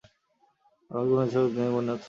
আমাকে কোনো সুযোগ দেয়নি, মনে আছে?